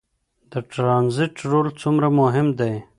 د ټرانزیټ رول څومره مهم دی؟